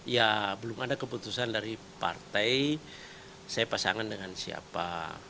ya belum ada keputusan dari partai saya pasangan dengan siapa